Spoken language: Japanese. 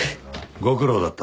ご苦労だった。